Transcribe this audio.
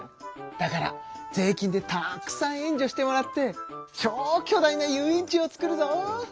だから税金でたくさん援助してもらって超巨大な遊園地を作るぞ！